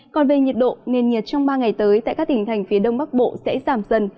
còn về nhiệt độ nền nhiệt trong ba ngày tới tại các tỉnh thành phía đông bắc bộ sẽ giảm dần